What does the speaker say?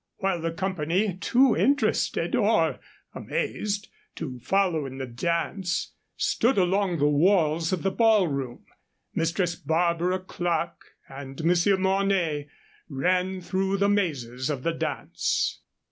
While the company, too interested or amazed to follow in the dance, stood along the walls of the ballroom, Mistress Barbara Clerke and Monsieur Mornay ran through the mazes of the dance.